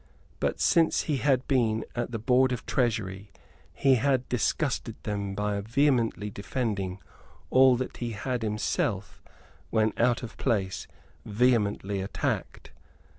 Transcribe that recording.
But, since he had been at the Board of Treasury, he had disgusted them by vehemently defending all that he had himself, when out of place, vehemently attacked.